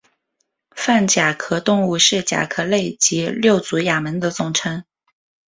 泛甲壳动物是甲壳类及六足亚门的总称。